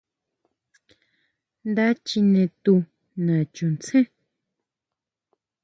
Nda chine tu nachuntsén.